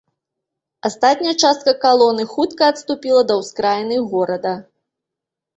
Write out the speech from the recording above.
Астатняя частка калоны хутка адступіла да ўскраіны горада.